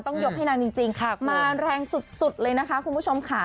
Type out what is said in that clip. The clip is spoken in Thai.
ต้องยกให้นางจริงค่ะมาแรงสุดเลยนะคะคุณผู้ชมค่ะ